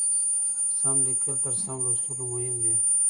سم لیکل تر سم لوستلو مهم دي.